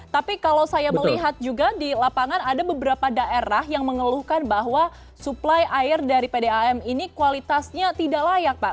tapi kalau saya melihat juga di lapangan ada beberapa daerah yang mengeluhkan bahwa suplai air dari pdam ini kualitasnya tidak layak pak